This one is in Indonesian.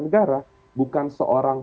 negara bukan seorang